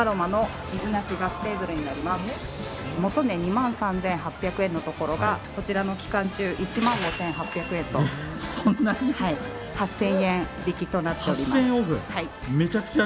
元値２万３８００円のところがこちらの期間中１万５８００円と８０００円引きとなっております。